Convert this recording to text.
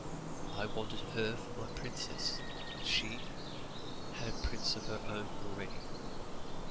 I wanted her for my princess. But she had a prince of her own already."